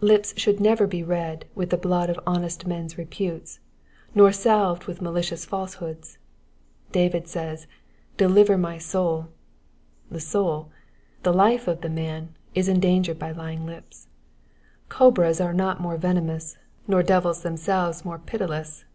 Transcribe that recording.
Lips should never be red with the blood of honest men's reputes, nor salved with malicious falsehoods. David says, " Deliver my soul ": the soul, the life of the man, is endangered by lying lips ; cobras are not more venomous, nor devils themselves more pitiless.